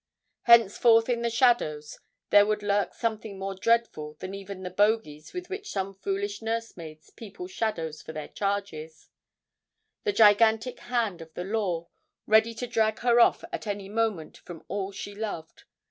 Henceforth in the shadows there would lurk something more dreadful even than the bogeys with which some foolish nursemaids people shadows for their charges the gigantic hand of the law, ready to drag her off at any moment from all she loved.